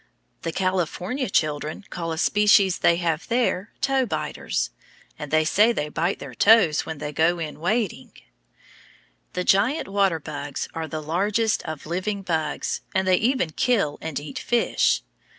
The California children call a species they have there "toe biters," and they say they bite their toes when they go in wading. The giant water bugs are the largest of living bugs, and they even kill and eat fish.